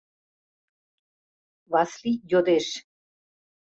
— Васлий йодеш.